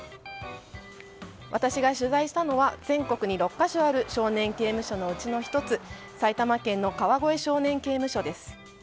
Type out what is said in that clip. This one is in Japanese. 私が取材したのは全国に６か所ある少年刑務所のうちの１つ埼玉県の川越少年刑務所です。